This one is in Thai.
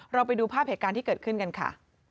ไปดูภาพเหตุการณ์ที่เกิดขึ้นกันค่ะ